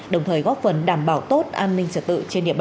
đồng thời góp phần đảm bảo tốt an ninh trật tự